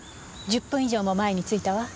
１０分以上も前に着いたわ。